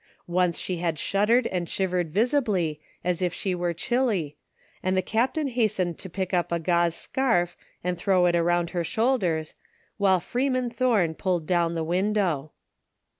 Once she had shuddered and shivered visibly as if she were 200 THE FINDING OF JASPER HOLT chilly, and the Captain hastened to pick up a gauze scarf and throw it around lier shoulders, while Freeman Thome pulled down the window.